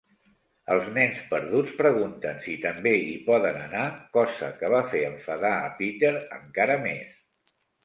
Els nens perduts pregunten si també hi poden anar, cosa que va fer enfadar a Peter encara més.